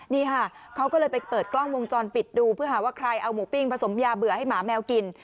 นี่ค่ะเขาก็เลยไปเปิดกล้องวงจรปิดดูเพื่อหาว่าใครเอาหมูปิ้งผสมยาเบื่อให้หมาแมวกิน